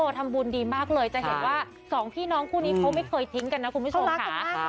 ทำบุญดีมากเลยจะเห็นว่าสองพี่น้องคู่นี้เขาไม่เคยทิ้งกันนะคุณผู้ชมค่ะ